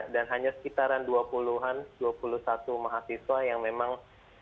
dan hanya sekitaran dua puluh an dua puluh satu mahasiswa yang memang